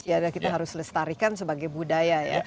jadi kita harus lestarikan sebagai budaya ya